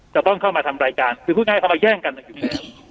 จะต้องเข้ามาทำรายการคือพูดง่ายเขามาแย่งกันนะครับ